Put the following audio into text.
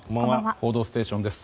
「報道ステーション」です。